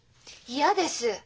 嫌です！